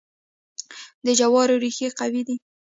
د جوارو ریښې قوي دي.